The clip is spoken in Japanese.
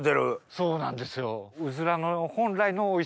そうなんですよ。